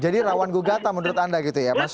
jadi rawan gugatan menurut anda gitu ya mas